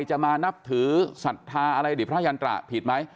จะมานับถือศรัทธาอะไรอดีตพระยันตราผิดไหม